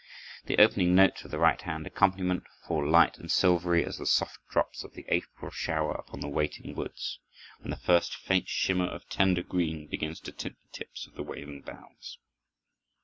The opening notes of the right hand accompaniment fall light and silvery as the soft drops of the April shower upon the waiting woods, when the first faint shimmer of tender green begins to tint the tips of the waving boughs.